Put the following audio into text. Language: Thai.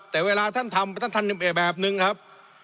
แต่เวลาท่านทำท่านทำแบบนึงครับ